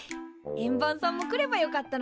円盤さんも来ればよかったのに。